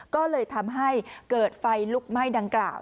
ก็เลยทำให้เกิดไฟลุกไหม้ดังกล่าว